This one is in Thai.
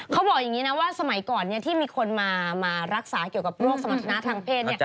เขาบอกอย่างนี้นะว่าสมัยก่อนที่มีคนมารักษาเกี่ยวกับโรคสมรรถนะทางเพศ